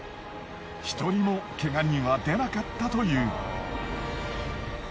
一人もケガ人は出なかったという。